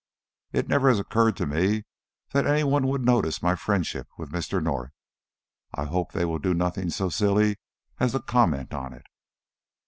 It never had occurred to me that any one would notice my friendship with Mr. North. I hope they will do nothing so silly as to comment on it."